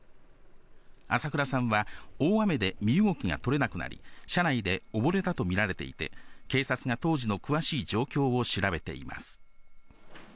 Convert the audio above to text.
朝倉さんは大雨で身動きが取れなくなり、車内で溺れたと見られていて、警察が当時の詳しい状況を調べています。